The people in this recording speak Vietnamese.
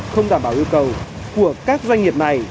không đảm bảo yêu cầu của các doanh nghiệp này